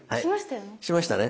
しましたよ。